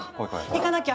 行かなきゃ！